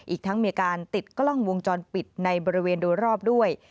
อีกทั้งมีการติดกล้องวงจรปิดในบริเวณโดยรอบด้วย